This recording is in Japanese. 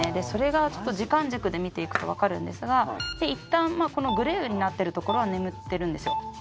それが時間軸で見ていくとわかるんですがいったんこのグレーになってるところは眠ってるんですよ。